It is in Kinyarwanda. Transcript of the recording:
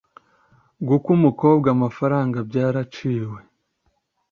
gukwa umukobwa amafaranga byaraciwe